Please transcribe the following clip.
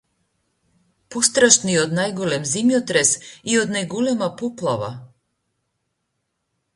Пострашно и од најголем земјотрес и од најголема поплава!